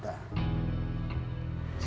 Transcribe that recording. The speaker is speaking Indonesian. berapa kekuatan kita